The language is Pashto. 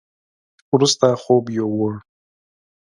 وروسته خوب يوووړ.